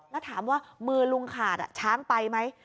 แล้วถามว่ามือลุงขาดช้างไปไหม